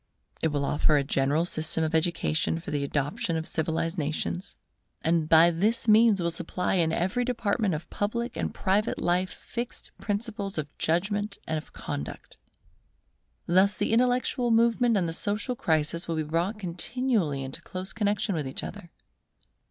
It will offer a general system of education for the adoption of all civilized nations, and by this means will supply in every department of public and private life fixed principles of judgment and of conduct. Thus the intellectual movement and the social crisis will be brought continually into close connexion with each other.